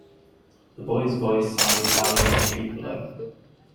The boy's voice sounded louder in the street below.